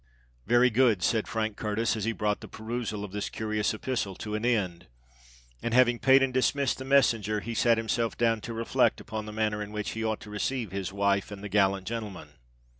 "Very good," said Frank Curtis, as he brought the perusal of this curious epistle to an end: and having paid and dismissed the messenger, he sate himself down to reflect upon the manner in which he ought to receive his wife and the gallant gentleman.